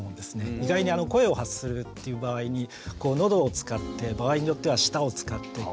意外に声を発するっていう場合にのどを使って場合によっては舌を使って唇をこう動かしてっていう。